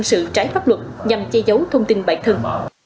hình sự trái pháp luật nhằm che giấu thông tin bản thân